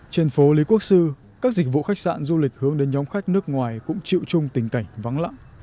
trên phố lý quốc sư các dịch vụ khách sạn du lịch hướng đến nhóm khách nước ngoài cũng chịu chung tình cảnh vắng lặng